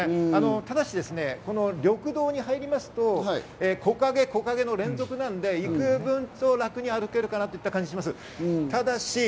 ただし、この緑道に入りますと木陰木陰の連続なので、幾分と楽に歩けるかなという感じです。